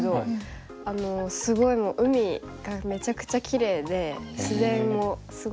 すごい海がめちゃくちゃきれいで自然もすごい豊かで。